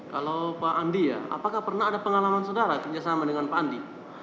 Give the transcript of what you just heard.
kalau pak andi ya apakah pernah ada pengalaman saudara kerjasama dengan pak andi